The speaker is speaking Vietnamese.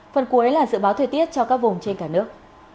phần cuối là dự báo thời tiết cho các vùng trên cả nước